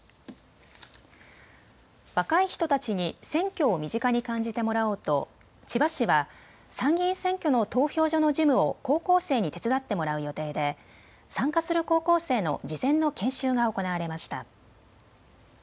若い人たちに選挙を身近に感じてもらおうと千葉市は参議院選挙の投票所の事務を高校生に手伝ってもらう予定で参加する高校生の事前の研修が行われました。